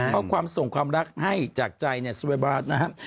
เขาส่งความรักให้จากใจเนี่ยสวบาลนะครับ